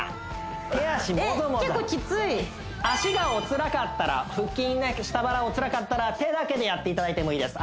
手足もぞもぞ結構きつい足がおつらかったら腹筋下腹おつらかったら手だけでやっていただいてもいいです